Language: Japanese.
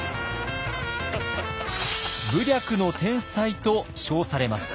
「武略の天才」と称されます。